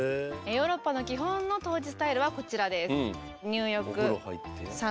ヨーロッパの基本の湯治スタイルはこちらです。